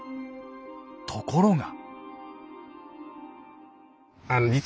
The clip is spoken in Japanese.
ところが。